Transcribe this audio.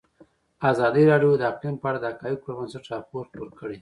ازادي راډیو د اقلیم په اړه د حقایقو پر بنسټ راپور خپور کړی.